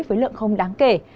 với lượng không đáng kể